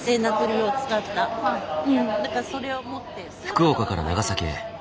福岡から長崎へ。